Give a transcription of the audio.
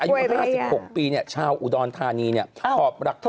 อายุ๕๖ปีชาวอุดรธานีหอบหลักฐาน